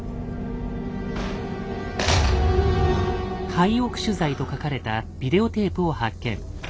「廃屋取材」と書かれたビデオテープを発見。